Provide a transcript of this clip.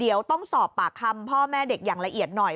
เดี๋ยวต้องสอบปากคำพ่อแม่เด็กอย่างละเอียดหน่อย